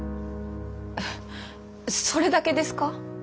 それだけですか？